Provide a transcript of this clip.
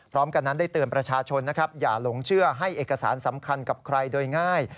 พร้อมกันนั้นได้เตือนประชาชนนะครับอย่าหลงเชื่อให้เอกสารสำคัญกับใครโดยง่าย